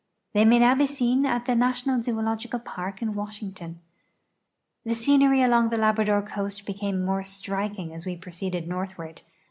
They may now be seen in the National Zoological Park at Washington. The scenery along the Labrador coast became more striking as we proceeded northward.